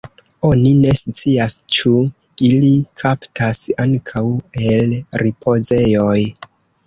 Oni ne scias ĉu ili kaptas ankaŭ el ripozejoj.